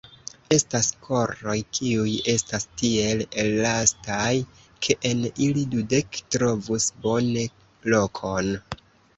Estas koroj, kiuj estas tiel elastaj, ke en ili dudek trovus bone lokon!